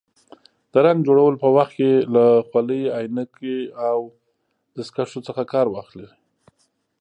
د رنګ جوړولو په وخت کې له خولۍ، عینکې او دستکشو څخه کار واخلئ.